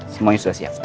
semuanya sudah siap